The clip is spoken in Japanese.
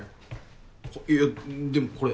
いやでもこれ。